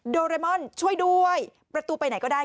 โดเรมอนช่วยด้วยประตูไปไหนก็ได้